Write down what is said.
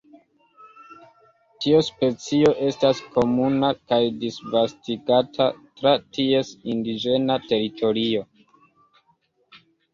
Tiu specio estas komuna kaj disvastigata tra ties indiĝena teritorio.